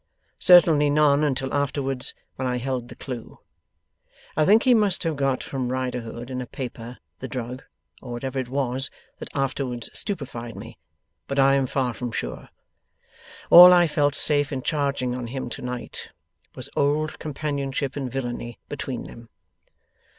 Certainly none until afterwards when I held the clue. I think he must have got from Riderhood in a paper, the drug, or whatever it was, that afterwards stupefied me, but I am far from sure. All I felt safe in charging on him to night, was old companionship in villainy between them.